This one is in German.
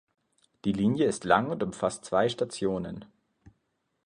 Die Linie ist lang und umfasst zwei Stationen.